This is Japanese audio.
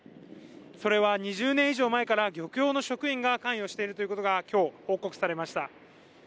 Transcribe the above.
それは２０年以上前から、漁協の職員が関与しているということが今日、報告されました。